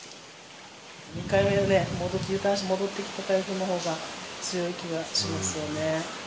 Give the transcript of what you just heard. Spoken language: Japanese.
２回目に戻ってきた台風のほうが、強い気がしますよね。